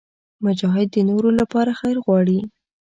مجاهد د نورو لپاره خیر غواړي.